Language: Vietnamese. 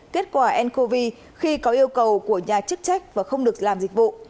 kết quả ncov khi có yêu cầu của nhà chức trách và không được làm dịch vụ